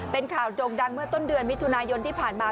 เป็นข่าวโด่งดังเมื่อต้นเดือนมิถุนายนที่ผ่านมา